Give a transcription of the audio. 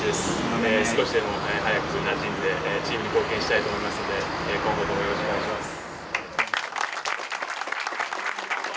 少しでも早くなじんでチームに貢献したいと思いますので今後ともよろしくお願いします。